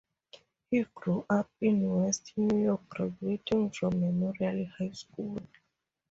He grew up in West New York graduating from Memorial High School.